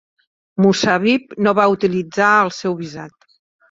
Mushabib no va utilitzar el seu visat.